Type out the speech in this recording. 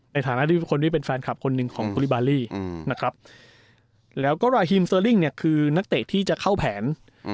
ในฐานะที่คนดีเป็นแฟนคลับคนหนึ่งของอืมนะครับแล้วก็เนี่ยคือนักเตะที่จะเข้าแผนอืม